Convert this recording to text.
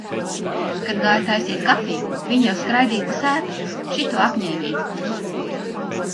Kad gāju taisīt kafiju, viņi jau skraidīja pa sētu. Šito apņēmību.